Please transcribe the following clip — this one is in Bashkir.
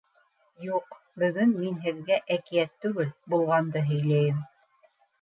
— Юҡ, бөгөн мин һеҙгә әкиәт түгел, булғанды һөйләйем.